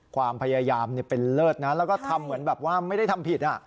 ความพยายามเป็นเลิศนะแล้วก็ทำเหมือนแบบว่าไม่ได้ทำผิด